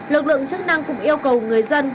lực lượng chức năng cũng yêu cầu người dân